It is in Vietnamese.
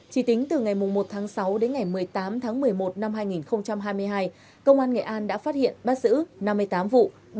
chỉ tính từ ngày một tháng sáu đến ngày một mươi tám tháng một mươi một năm hai nghìn hai mươi hai công an nghệ an đã phát hiện bắt giữ năm mươi tám vụ